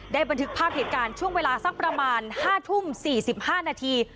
บันทึกภาพเหตุการณ์ช่วงเวลาสักประมาณ๕ทุ่ม๔๕นาที